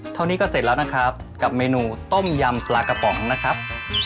เท่านี้ก็เสร็จแล้วนะครับกับเมนูต้มยำปลากระป๋องนะครับ